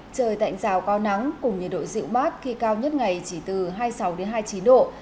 trời tạnh rào cao nắng cùng nhiệt độ dịu mát khi cao nhất ngày chỉ từ hai mươi sáu hai mươi chín độ